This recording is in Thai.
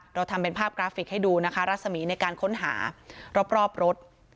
เราทำเป็นภาพกราฟิกให้ดูนะคะรัศมีในการค้นหารอบรถ